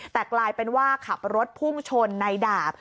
แต่กลายเป็นว่าขับรถพุ่งชนในดาบ